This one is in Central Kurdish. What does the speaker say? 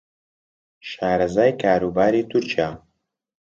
شارەزای کاروباری تورکیا